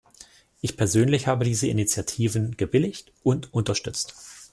Ich persönlich habe diese Initiativen gebilligt und unterstützt.